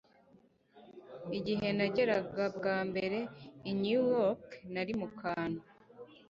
Igihe nageraga bwa mbere i New York, nari mu kantu.